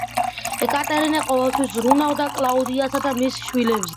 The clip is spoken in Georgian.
ეკატერინე ყოველთვის ზრუნავდა კლაუდიასა და მის შვილებზე.